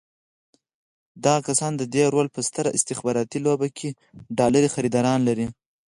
دغه کسان د دې رول په ستره استخباراتي لوبه کې ډالري خریداران لري.